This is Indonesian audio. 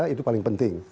itu paling penting